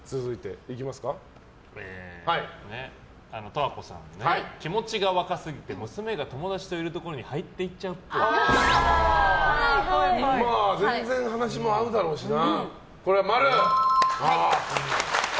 十和子さん、気持ちが若すぎて娘が友達といるところに全然話も合うだろうしな。